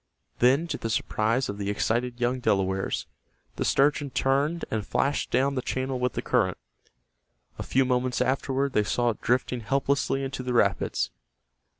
Then, to the surprise of the excited young Delawares, the sturgeon turned and flashed down the channel with the current. A few moments afterward they saw it drifting helplessly into the rapids.